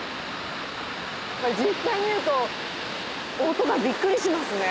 実際見ると音がびっくりしますね。